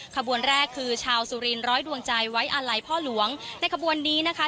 ขบวนแรกคือชาวสุรินร้อยดวงใจไว้อาลัยพ่อหลวงในขบวนนี้นะคะ